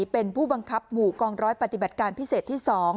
เป็นผู้บังคับหมู่กองร้อยปฏิบัติการพิเศษที่๒